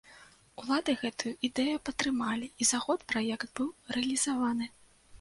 Улады гэтую ідэю падтрымалі і за год праект быў рэалізаваны.